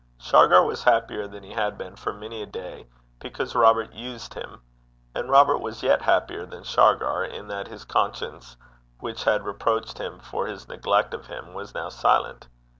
Shargar was happier than he had been for many a day because Robert used him; and Robert was yet happier than Shargar in that his conscience, which had reproached him for his neglect of him, was now silent.